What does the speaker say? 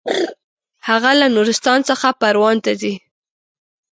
هغه له نورستان څخه پروان ته ځي.